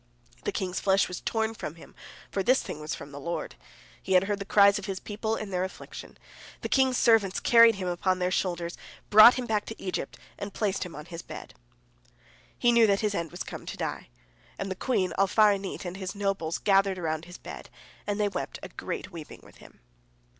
The king's flesh was torn from him, for this thing was from the Lord, He had heard the cries of His people and their affliction. The king's servants carried him upon their shoulders, brought him back to Egypt, and placed him on his bed. He knew that his end was come to die, and the queen Alfar'anit and his nobles gathered about his bed, and they wept a great weeping with him.